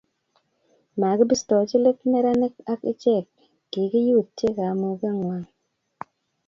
makibistochi let neranik ak ichek kikiyutie kamuge ng'wang'